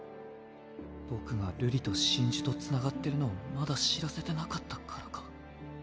僕が瑠璃と真珠とつながってるのをまだ知らせてなかったからか。